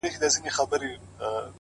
هر مشکل ته پیدا کېږي یوه لاره٫